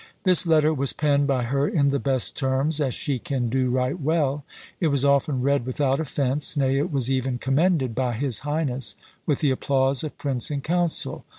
"This letter was penned by her in the best terms, as she can do right well. It was often read without offence, nay it was even commended by his highness, with the applause of prince and council."